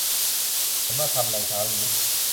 ฉันมาทำไรเช้านี้